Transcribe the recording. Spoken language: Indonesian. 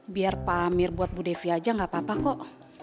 biar pamir buat bu devi aja gak apa apa kok